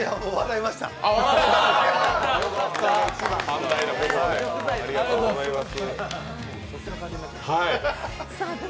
寛大な心、ありがとうございます。